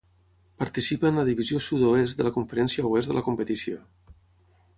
Participa en la Divisió Sud-oest de la Conferència Oest de la competició.